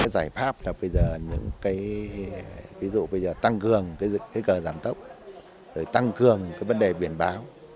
giải pháp là ví dụ tăng cường cờ giảm tốc tăng cường vấn đề biển báo